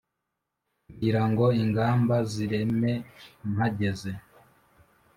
ngira ngo ingamba zireme mpageze,